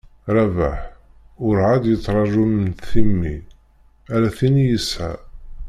Rabeḥ ur εad yettraju mm timmi, ala tin i yesεa.